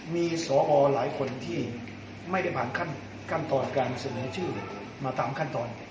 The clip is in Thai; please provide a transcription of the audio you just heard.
มีสอหลายคนที่ไม่ได้ผ่านขั้นตอนการเสนอชื่อมาตามขั้นตอน